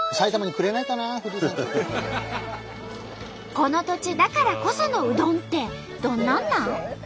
この土地だからこそのうどんってどんなんなん？